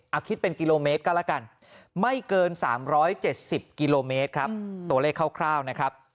เอาคิดเป็นกิโลเมตรก็แล้วกันไม่เกิน๓๗๐กิโลเมตรครับตัวเลขคร่าวนะครับ